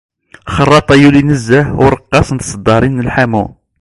Xerraṭa, yuli nezzeh ureqqas n tseddarin n lḥamu.